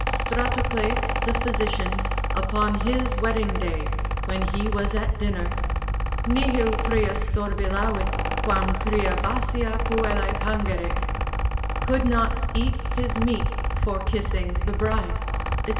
Stratocles, the physician, upon his wedding day, when he was at dinner, Nihil prius sorbillavit, quam tria basia puellae pangeret, could not eat his meat for kissing the bride, &c.